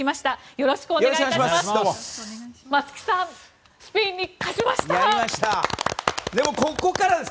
よろしくお願いします。